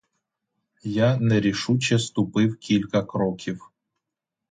Я нерішуче ступив кілька кроків.